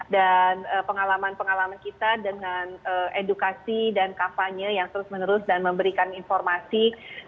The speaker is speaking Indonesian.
dan pengalaman pengalaman kita dengan edukasi dan kafanya yang terus menerus dan memberikan informasi